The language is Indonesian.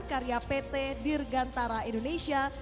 karya pt dirgantara indonesia